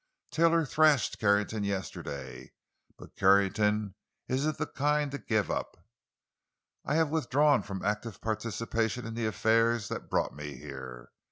Taylor thrashed Carrington yesterday, but Carrington isn't the kind to give up. I have withdrawn from active participation in the affairs that brought me here.